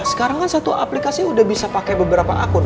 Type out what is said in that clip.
sekarang kan satu aplikasi sudah bisa pakai beberapa akun